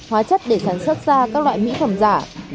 hóa chất để sản xuất ra các loại mỹ phẩm giả